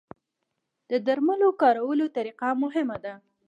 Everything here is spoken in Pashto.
د درملو د کارولو طریقه مهمه ده.